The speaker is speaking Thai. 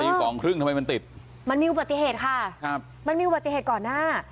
สองครึ่งทำไมมันติดมันมีอุบัติเหตุค่ะครับมันมีอุบัติเหตุก่อนหน้า